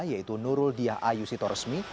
yaitu nurul diyah ayu sitoresmi